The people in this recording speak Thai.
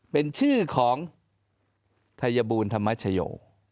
เป็นชื่อของไทยบูรณธรรมชโย